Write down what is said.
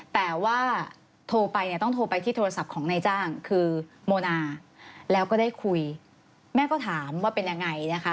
แต่ว่าโทรไปเนี่ยต้องโทรไปที่โทรศัพท์ของนายจ้างคือโมนาแล้วก็ได้คุยแม่ก็ถามว่าเป็นยังไงนะคะ